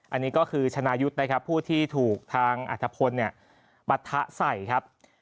อันนี้ก็คือชนายุทธ์นะครับผู้ที่ถูกทางอัฐพลปะทะใส่ครับ